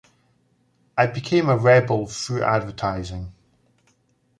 I became a rebel through advertising.